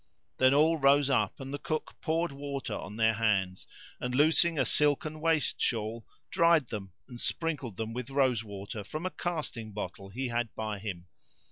Then all rose up and the cook poured water on their hands; [FN#469] and, loosing a silken waist shawl, dried them and sprinkled them with rose water from a casting bottle he had by him.